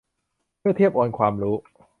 เพื่อเทียบโอนความรู้